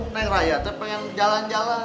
neng rakyat pengen jalan jalan